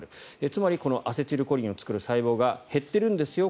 つまりアセチルコリンを作る細胞が減っているんですよ